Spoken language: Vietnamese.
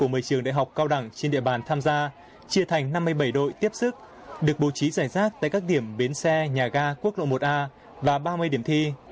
một mươi trường đại học cao đẳng trên địa bàn tham gia chia thành năm mươi bảy đội tiếp sức được bố trí giải rác tại các điểm bến xe nhà ga quốc lộ một a và ba mươi điểm thi